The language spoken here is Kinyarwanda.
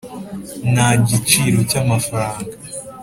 nta giciro cy’amafaranga